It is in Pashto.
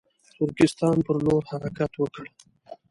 ترکستان پر لور حرکت وکړ.